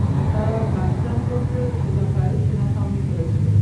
তারা গাসসান গোত্রের এলাকায় সেনা ছাউনি ফেলেছিল।